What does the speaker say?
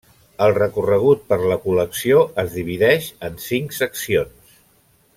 El recorregut per la col·lecció es divideix en cinc seccions.